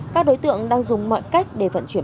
các đối tượng đang dùng mọi cách để vận chuyển